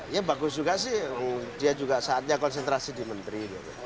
ya bagus juga sih dia juga saatnya konsentrasi di menteri